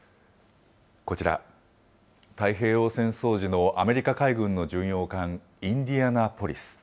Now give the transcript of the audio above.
こちら、太平洋戦争時のアメリカ海軍の巡洋艦、インディアナポリス。